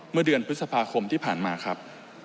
เมื่อเดือนพฤษภาคมที่ผ่านมาครับ